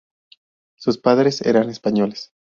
Sus padres eran españoles.